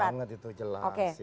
salah banget itu jelas